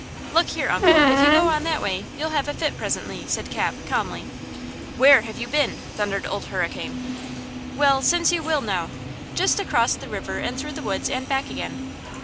"Look here, uncle; if you go on that way you'll have a fit presently," said Cap, calmly. "Where have you been?" thundered Old Hurricane. "Well, since you will know–just across the river and through the woods and back again."